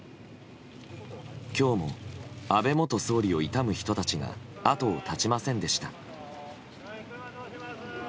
今日も安倍元総理を悼む人たちが後を絶ちませんでした。